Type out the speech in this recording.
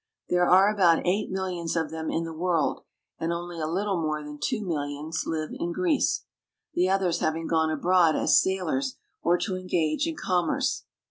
There are about eight millions of them in the world, and only a little more than two millions live in Greece, the others having gone abroad as sailors or to engage in com merce.